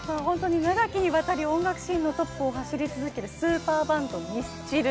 長きにわたり音楽シーンのトップを走り続けるスーパーバンドミスチル。